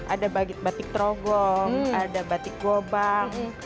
ada batik trogong ada batik gobang